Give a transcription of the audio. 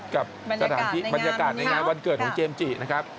กับบรรยากาศในงานวันเกิดของเจมส์จีตนะครับ